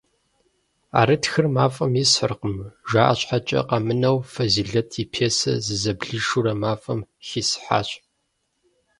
«ӏэрытхыр мафӏэм искъырым», жаӏэ щхьэкӏэ къэмынэу, Фэзилэт и пьесэр зызэблишурэ мафӏэм хисхьащ.